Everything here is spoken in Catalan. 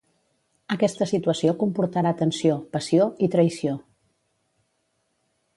Aquesta situació comportarà tensió, passió i traïció.